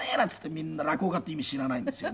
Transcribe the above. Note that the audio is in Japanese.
みんな落語家って意味知らないんですよね。